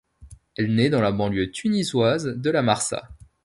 Elle naît dans la banlieue tunisoise de La Marsa.